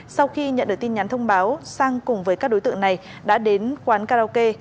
sau khi nhận được tin nhắn thông báo sang cùng với các đối tượng này đã đến quán karaoke